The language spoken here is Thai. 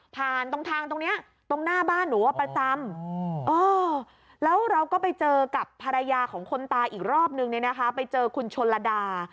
ไปเจอคุณชนลดา